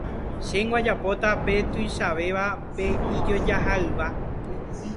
Chéngo ajapota pe tuichavéva, pe ijojaha'ỹva.